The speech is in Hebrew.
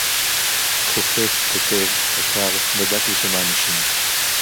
חושף, כותב, חקר, בדק ושמע אנשים